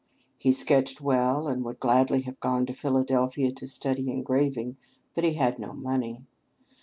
He sketched well, and would gladly have gone to Philadelphia to study engraving; but he had no money.